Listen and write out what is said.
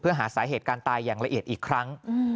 เพื่อหาสาเหตุการณ์ตายอย่างละเอียดอีกครั้ง